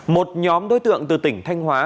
một nhóm đối tượng từ tỉnh thanh hóa